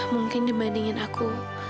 mungkin dibandingin aku